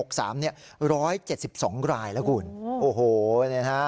๑๗๒รายแล้วครับครับโอ้โหนะครับ